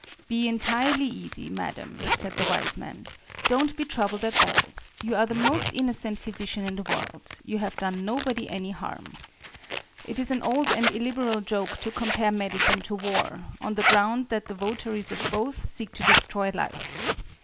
"Be entirely easy, Madam," said the wise man; "don't be troubled at all. You are the most innocent physician in the world; you have done nobody any harm." It is an old and illiberal joke to compare medicine to war, on the ground that the votaries of both seek to destroy life.